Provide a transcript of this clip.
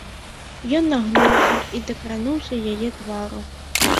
Ён нагнуўся і дакрануўся яе твару.